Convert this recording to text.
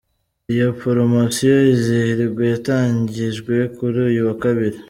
Iyi poromosiyo “Izihirwe”yatangijwe kuri uyu wa Kabiri.